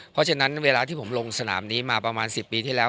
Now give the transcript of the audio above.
เพราะฉะนั้นเวลาที่ผมลงสนามนี้มาประมาณ๑๐ปีที่แล้ว